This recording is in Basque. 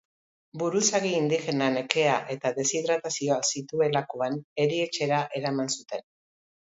Buruzagi indigena nekea eta deshidratazioa zituelakoan erietxera eraman zuten.